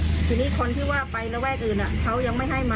ทีนี้คนที่ว่าไประแวกอื่นเขายังไม่ให้มา